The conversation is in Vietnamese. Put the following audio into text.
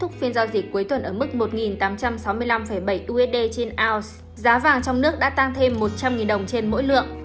trong phiên giao dịch cuối tuần ở mức một tám trăm sáu mươi năm bảy usd trên ounce giá vàng trong nước đã tăng thêm một trăm linh đồng trên mỗi lượng